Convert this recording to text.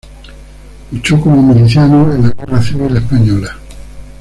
Luchó como miliciano en la Guerra Civil Española.